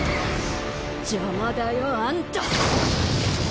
邪魔だよあんた！